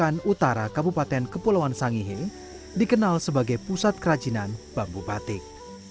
kawasan utara kabupaten kepulauan sangihe dikenal sebagai pusat kerajinan bambu batik